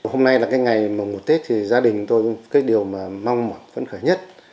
hôm nay là cái ngày mùa tết thì gia đình tôi cái điều mà mong mỏi phấn khởi nhất